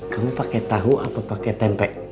kamu pake tahu apa pake tempek